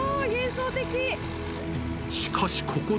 しかしここで。